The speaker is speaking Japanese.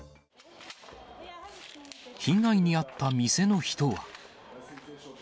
被害に遭った店の人は。